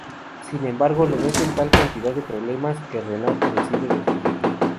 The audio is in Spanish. Sin embargo, lo mete en tal cantidad de problemas que Renato decide despedirlo.